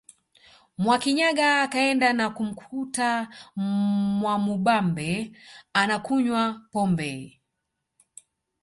Mwakinyaga akaenda na kumkuta Mwamubambe anakunywa pombe